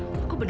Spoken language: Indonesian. nara sama tanya